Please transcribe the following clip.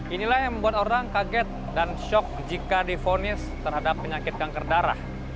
inilah yang membuat orang kaget dan shock jika difonis terhadap penyakit kanker darah